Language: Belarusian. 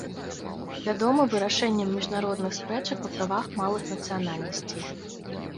Вядомы вырашэннем міжнародных спрэчак па правах малых нацыянальнасцей.